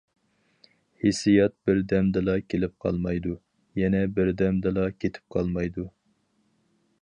ھېسسىيات بىردەمدىلا كېلىپ قالمايدۇ، يەنە بىردەمدىلا كېتىپ قالمايدۇ.